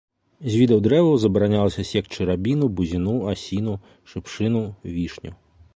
З відаў дрэваў забаранялася секчы рабіну, бузіну, асіну, шыпшыну, вішню.